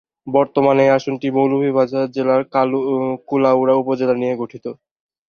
বর্তমানে এ আসনটি মৌলভীবাজার জেলার কুলাউড়া উপজেলা নিয়ে গঠিত।